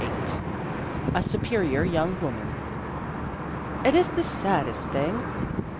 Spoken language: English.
VIII A SUPERIOR YOUNG WOMAN " IT is the saddest thing